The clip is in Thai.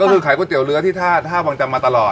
ก็คือขายก๋วเตี๋เนื้อที่ท่าวังจำมาตลอด